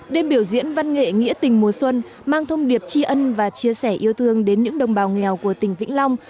đêm biểu diễn văn nghệ nghĩa tình mùa xuân mang thông điệp tri ân và chia sẻ yêu thương đến những đồng bào nghèo của tỉnh vĩnh long